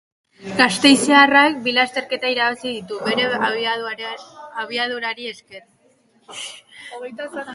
Gasteiztarrak bi lasterketa irabazi ditu bere abiadurari esker.